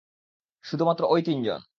শুধুমাত্র অই তিনজন!